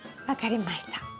分かりました。